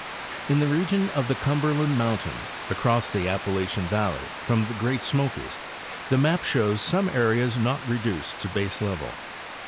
In the region of the Cumberland mountains, across the Appa lachian valley from the Great Smokies, the map shows some areas not reduced to baselevel.